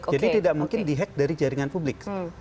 jadi tidak mungkin di hack dari jaringan publik